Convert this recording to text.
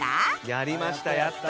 やりましたやった。